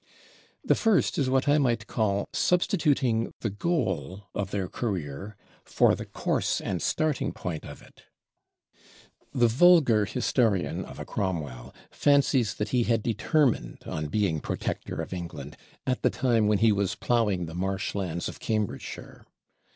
The first is what I might call substituting the goal of their career for the course and starting point of it. The vulgar Historian of a Cromwell fancies that he had determined on being Protector of England, at the time when he was plowing the marsh lands of Cambridgeshire.